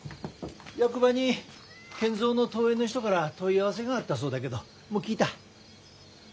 役場に賢三の遠縁の人から問い合わせがあったそうだけどもう聞いた？